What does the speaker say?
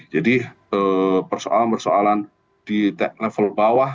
jadi persoalan persoalan di level bawah